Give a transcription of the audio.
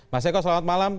mas eko selamat malam